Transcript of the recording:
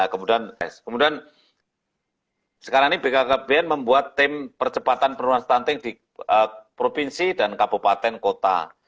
kemudian sekarang ini bkkbn membuat tim percepatan penurunan stunting di provinsi dan kabupaten kota